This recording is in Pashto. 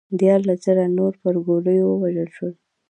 دیارلس زره نور پر ګولیو ووژل شول